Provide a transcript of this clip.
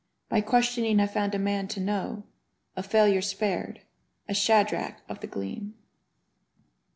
By questioning I found a man to know — A failure spared, a Shadrach of the Gleam.